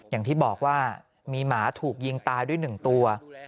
อย่างที่บอกว่ามีหมาถูกยิงตายด้วย๑ตัว